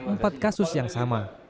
empat kasus yang sama